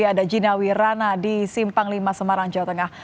ada jinawi rana di simpang v semarang jawa tengah